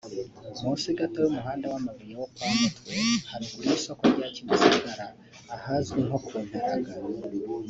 munsi gato y’umuhanda w’amabuye wo kwa Mutwe haruguru y’isoko rya Kimisagara ahazwi nko ku Ntaraga